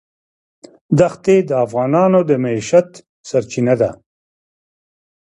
دښتې د افغانانو د معیشت سرچینه ده.